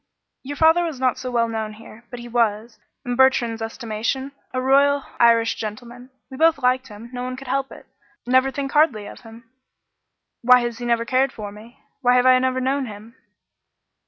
"Your father was not so well known here, but he was, in Bertrand's estimation, a royal Irish gentleman. We both liked him; no one could help it. Never think hardly of him." "Why has he never cared for me? Why have I never known him?"